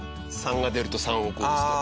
３が出ると３を押すと。